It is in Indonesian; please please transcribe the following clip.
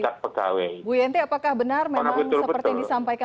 bu yanti apakah benar memang seperti yang disampaikan oleh pak yasin tadi